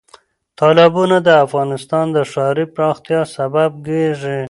تالابونه د افغانستان د ښاري پراختیا سبب کېږي.